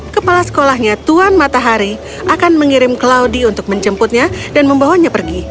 kepala sekolahnya tuhan matahari akan mengirim claudie untuk menjemputnya dan membawanya pergi